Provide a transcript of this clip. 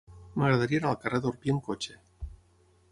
M'agradaria anar al carrer d'Orpí amb cotxe.